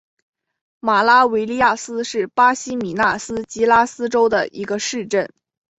马拉维利亚斯是巴西米纳斯吉拉斯州的一个市镇。